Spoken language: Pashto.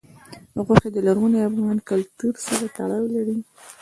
غوښې د لرغوني افغان کلتور سره تړاو لري.